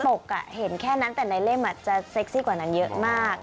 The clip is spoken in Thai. กเห็นแค่นั้นแต่ในเล่มจะเซ็กซี่กว่านั้นเยอะมาก